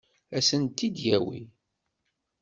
Ad sen-t-id-yawi?